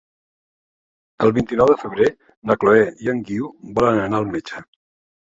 El vint-i-nou de febrer na Chloé i en Guiu volen anar al metge.